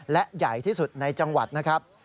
และใหญ่ที่สุดในจังหวัดนะครับ